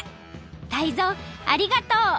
タイゾウありがとう！